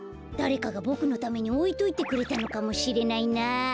だれかがボクのためにおいといてくれたのかもしれないな。